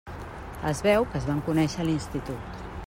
Es veu que es van conèixer a l'institut.